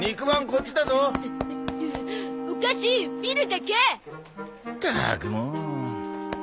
ったくもう。